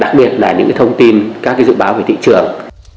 đặc biệt là những thông tin các dự báo về thị trường